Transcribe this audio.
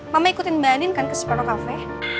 mama ikutin mbak anin kan ke seperno cafe